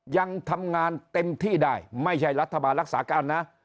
ยังทำงานเต็มที่ได้ไม่ใช่รัฐบาลรักษาการนะ